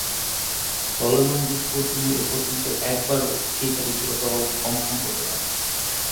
Solomon দ্বীপপুঞ্জ এপর্যন্ত একবারও ফিফা বিশ্বকাপে অংশগ্রহণ করতে পারেনি।